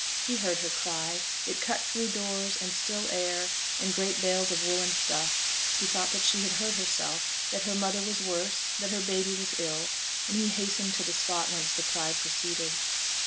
He heard her cry; it cut through doors, and still air, and great bales of woollen stuff; he thought that she had hurt herself, that her mother was worse, that her baby was ill, and he hastened to the spot whence the cry proceeded.